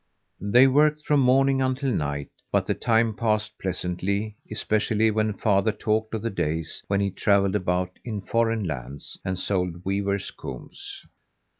They worked from morning until night, but the time passed pleasantly, especially when father talked of the days when he travelled about in foreign lands and sold weavers' combs.